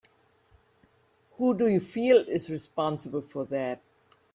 Who do you feel is responsible for that?